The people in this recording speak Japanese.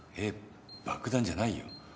「えっ。爆弾」じゃないよ。